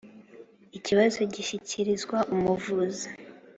ikibazo gishyikirizwa umuvuzi.